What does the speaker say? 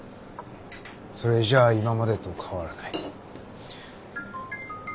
それじゃ今までと変わらない。